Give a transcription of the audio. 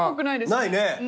ないね！